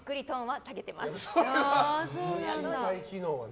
身体機能がね。